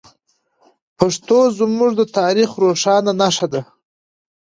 پښتو زموږ د تاریخ روښانه نښه ده.